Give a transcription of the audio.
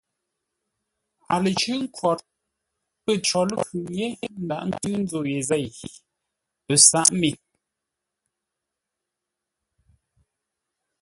A lə cʉ́ʼ nkwǒr pə̂ có ləkhʉŋ yé ńdághʼ ńtʉ́ nzǒ ye zêi, ə sǎʼ me.